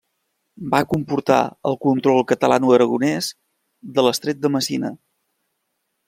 Va comportar el control catalanoaragonès de l'Estret de Messina.